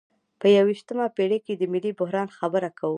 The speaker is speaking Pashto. په یویشتمه پیړۍ کې د ملي بحران خبره کوو.